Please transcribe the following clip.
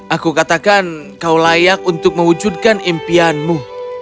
aku katakan kau layak untuk mewujudkan impianmu